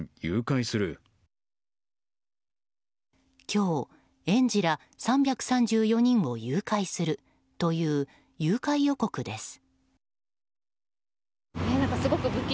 今日、園児ら３３４人を誘拐するという誘拐予告です。